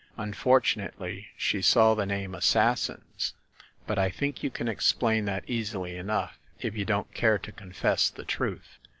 Unfortunately she saw the name 'Assassins' ; but I think you can explain that easily enough, if you don't care to confess the truth."